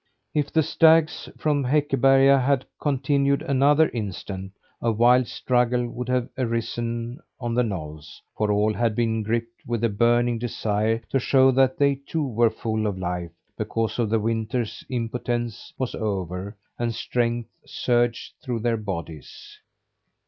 If the stags from Häckeberga had continued another instant, a wild struggle would have arisen on the knolls, for all had been gripped with a burning desire to show that they too were full of life because the winter's impotence was over and strength surged through their bodies.